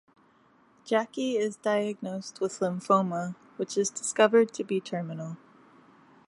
Jackie is diagnosed with lymphoma, which is discovered to be terminal.